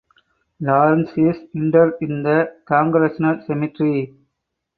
Lawrence is interred in the Congressional Cemetery.